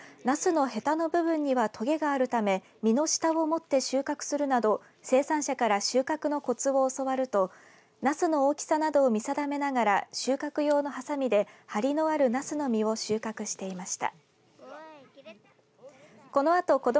子どもたちはナスのヘタの部分にはトゲがあるため実の下をもって収穫するなど生産者から収穫のコツを教わるとナスの大きさなどを見定めながら収穫用のハサミで張りのあるナスの実を収穫していました。